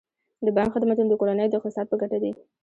د بانک خدمتونه د کورنیو د اقتصاد په ګټه دي.